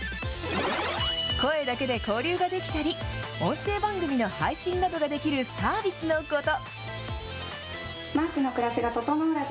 声だけで交流ができたり、音声番組の配信などができるサービスのこと。